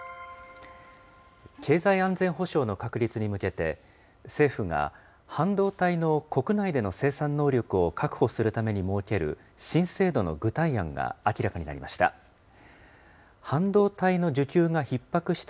経済安全保障の確立に向けて、政府が半導体の国内での生産能力を確保するために設ける新制度の具体案が明らかになりました。